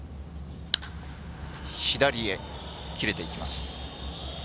左へ切れていきます。